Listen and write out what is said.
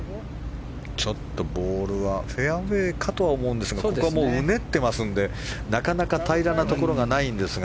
ボールはフェアウェーかとは思うんですがここもうねっていますのでなかなか平らなところがないんですが。